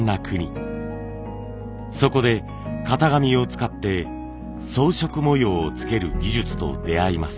そこで型紙を使って装飾模様をつける技術と出会います。